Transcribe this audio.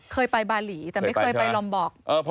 เคยไปบาหลีแต่ไม่เคยไปลอมบอก